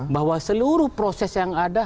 bahwa seluruh proses yang ada